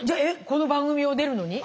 この番組を出るのに？